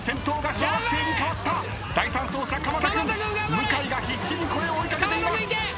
向井が必死にこれを追い掛けています。